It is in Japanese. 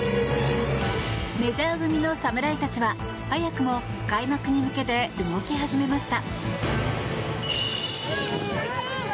メジャー組の侍たちは、早くも開幕に向けて動き始めました。